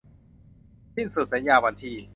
สิ้นสุดสัญญาวันที่